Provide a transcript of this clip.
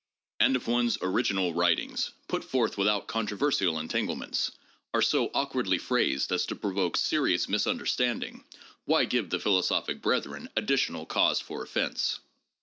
And if one's original writings, put forth without controversial entanglements, are so awkwardly phrased as to provoke serious misunderstanding, why give the philosophic brethren additional cause for offense